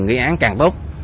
cái án càng tốt